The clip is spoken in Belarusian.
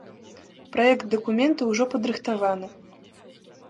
Праект дакумента ўжо падрыхтаваны.